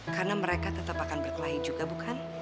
karena mereka tetap akan berkelahi juga bukan